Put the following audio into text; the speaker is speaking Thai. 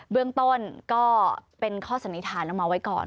เบื้องต้นก็เป็นข้อสันนิษฐานออกมาไว้ก่อน